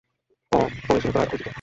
অ-পরিশোধিতরা ওই দিকে।